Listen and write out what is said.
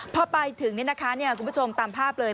พอไปถึงคุณผู้ชมตามภาพเลย